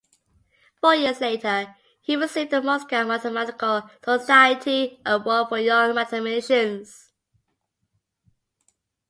Four years later he received the Moscow Mathematical Society Award for young mathematicians.